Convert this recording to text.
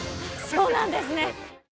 そうなんですね！